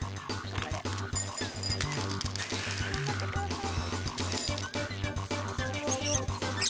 頑張ってください。